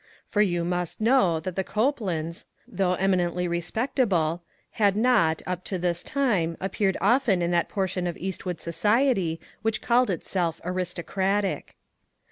For you must know that the Copelands, though emi nently respectable, had not, up to this time, appeared often in that portion of Eastwood society which called itself aris tocratic.